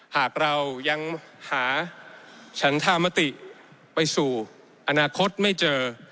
หากเรายังหาฉันธามติไปสู่อนาคตไม่เจอ